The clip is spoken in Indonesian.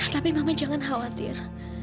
tapi mama jangan khawatir